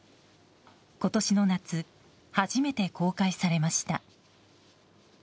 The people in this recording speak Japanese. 今年の夏初めて公開されました。